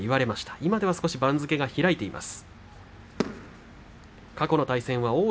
今では少し番付が開いています。